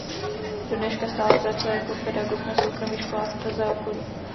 Do dneška stále pracuje jako pedagog na soukromých školách v Praze a okolí.